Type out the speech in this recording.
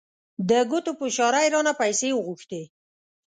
د ګوتو په اشاره یې رانه پیسې وغوښتې.